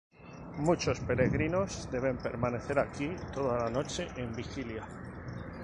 Muchos peregrinos deben permanecer aquí toda la noche en vigilia.